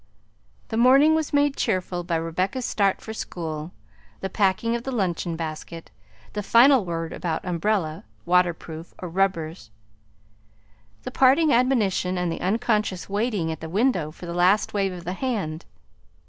The morning was made cheerful by Rebecca's start for school, the packing of the luncheon basket, the final word about umbrella, waterproof, or rubbers; the parting admonition and the unconscious waiting at the window for the last wave of the hand.